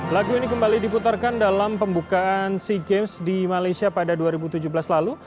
lagu ini kembali diputarkan dalam pembukaan sea games di malaysia pada dua ribu tujuh belas lalu